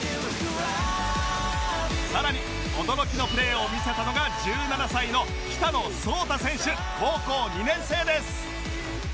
さらに驚きのプレーを見せたのが１７歳の北野颯太選手高校２年生です